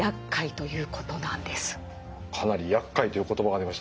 かなりやっかいという言葉が出ました。